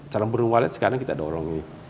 calon burn wallet sekarang kita dorongin